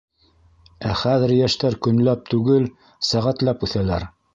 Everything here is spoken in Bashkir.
— У хәҙер йәштәр көнләп түгел, сәғәтләп үҫәләр.